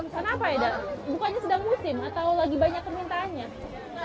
kenapa eda bukannya sedang musim atau lagi banyak kemintaannya